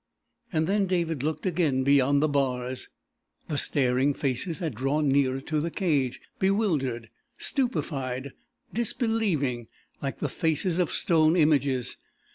And then David looked again beyond the bars. The staring faces had drawn nearer to the cage, bewildered, stupefied, disbelieving, like the faces of stone images.